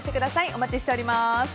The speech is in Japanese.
お待ちしております。